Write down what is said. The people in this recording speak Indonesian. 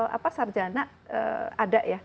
kurikulum sarjana ada ya